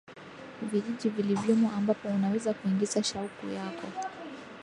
vijiji vilivyomo ambapo unaweza kuingiza shauku yako